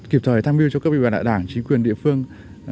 kịp thời tham mưu cho các vị đại đảng chính quyền địa phương